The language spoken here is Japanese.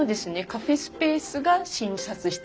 カフェスペースが診察室。